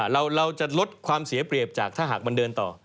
เราจะลดความเสียเปรียบจากถ้าหากมันเดินต่อ